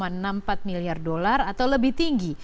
mencapai tujuh belas enam puluh empat miliar dolar as atau lebih tinggi